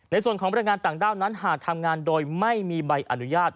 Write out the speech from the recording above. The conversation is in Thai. ในส่วนของบรรยายงานต่างด้าวนั้นหากทำงานโดยไม่มีใบอนุญาต